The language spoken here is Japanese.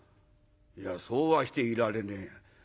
「いやそうはしていられねえ。